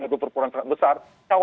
itu perpuluhan sangat besar